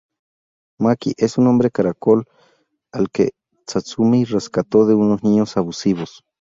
Maki es un hombre caracol al que Tatsumi rescató de unos niños abusivos.